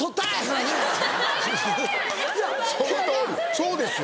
そうですよ。